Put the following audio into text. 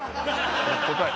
答え。